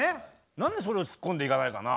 何でそれをツッコんでいかないかな？